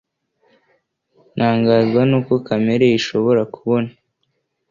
Ntangazwa nuko Kamere ishobora kubona